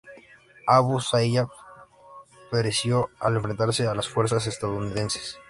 Abu Sayyaf pereció al enfrentarse a las fuerzas estadounidenses.